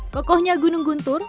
kokohnya gunung guntur